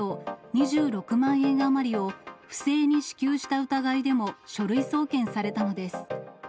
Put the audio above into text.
２６万円余りを不正に支給した疑いでも書類送検されたのです。